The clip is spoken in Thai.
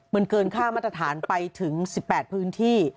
มันเกินค่ามาตรฐานไปถึง๑๘พื้นที่